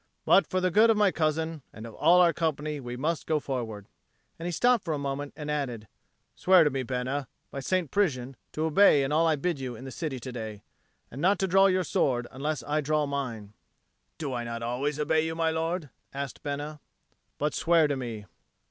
"But for the good of my cousin and of all our company, we must go forward." And he stopped for a moment and added, "Swear to me, Bena, by St. Prisian, to obey in all I bid you in the city to day, and not to draw your sword unless I draw mine." "Do I not always obey you, my lord?" asked Bena. "But swear to me."